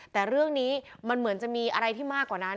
แต่เรื่องนี้มันเหมือนจะมีอะไรที่มากกว่านั้น